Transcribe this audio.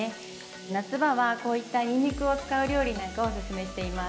夏場はこういったにんにくを使う料理なんかをおすすめしています。